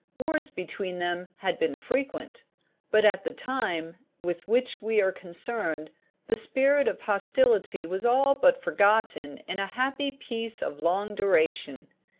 Wars between them had been frequent, but at the time with which we are concerned the spirit of hostility was all but forgotten in a happy peace of long duration.